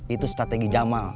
itu strategi jama